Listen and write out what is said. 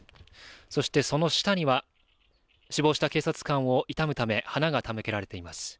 そして、その下には死亡した警察官を悼むため花が手向けられています。